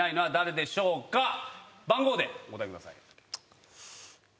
番号でお答えください。